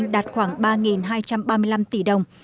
đạt khoảng ba hai trăm ba mươi năm tỷ đồng